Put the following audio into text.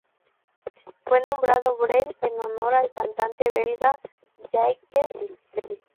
Fue nombrado Brel en honor al cantante belga Jacques Brel.